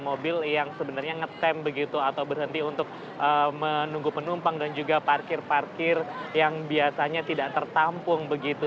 mobil yang sebenarnya ngetem begitu atau berhenti untuk menunggu penumpang dan juga parkir parkir yang biasanya tidak tertampung begitu